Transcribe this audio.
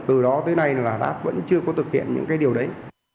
từ đó tới nay là đáp vẫn chưa có thực hiện những cái điều đấy